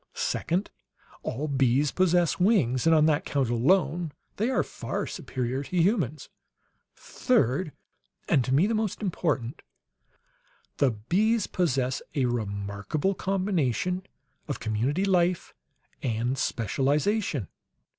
Second, all bees possess wings and on that count alone they are far superior to humans. "Third and to me, the most important the bees possess a remarkable combination of community life and specialization.